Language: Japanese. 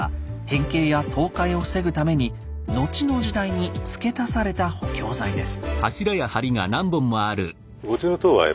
変形や倒壊を防ぐために後の時代に付け足された補強材です。